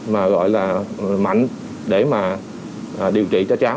mà gọi là mạnh để mà điều trị